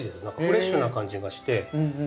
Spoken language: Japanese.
何かフレッシュな感じがして。